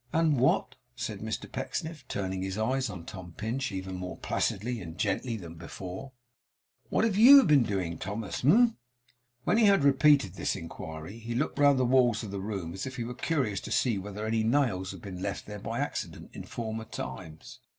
'And what,' said Mr Pecksniff, turning his eyes on Tom Pinch, even more placidly and gently than before, 'what have YOU been doing, Thomas, humph?' When he had repeated this inquiry, he looked round the walls of the room as if he were curious to see whether any nails had been left there by accident in former times.